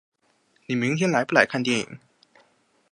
你明天来不来看电影？